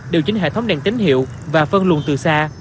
điều chỉnh hệ thống đèn tín hiệu và phân luồn từ xa